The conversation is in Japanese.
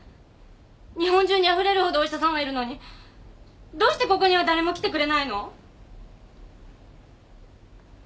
日本中にあふれるほどお医者さんがいるのにどうしてここには誰も来てくれないの？